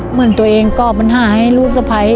เหมือนตัวเองก่อปัญหาให้ลูกสะพ้าย